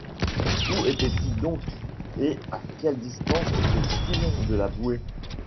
Où étaient-ils donc? et à quelle distance étaient-ils de la bouée ?